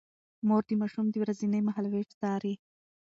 مور د ماشوم د ورځني مهالوېش څاري.